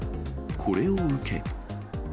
これを受け。